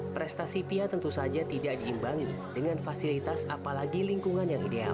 prestasi pia tentu saja tidak diimbangi dengan fasilitas apalagi lingkungan yang ideal